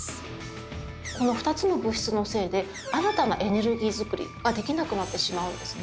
この２つの物質のせいで新たなエネルギー作りができなくなってしまうんですね。